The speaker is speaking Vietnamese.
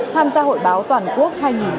tham gia hội báo toàn quốc hai nghìn hai mươi bốn